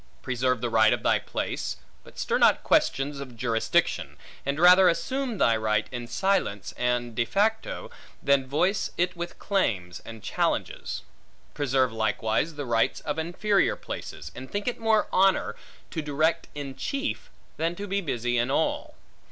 Preserve the right of thy place; but stir not questions of jurisdiction; and rather assume thy right, in silence and de facto, than voice it with claims, and challenges. Preserve likewise the rights of inferior places; and think it more honor, to direct in chief, than to be busy in all.